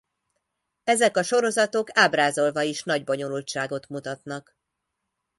Ezek a sorozatok ábrázolva is nagy bonyolultságot mutatnak.